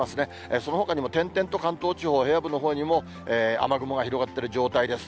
そのほかにも点々と関東地方平野部のほうにも、雨雲が広がってる状態です。